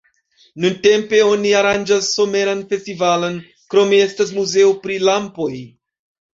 Nuntempe oni aranĝas someran festivalon, krome estas muzeo pri lampoj.